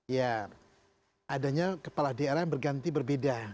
ya adanya kepala daerah yang berganti berbeda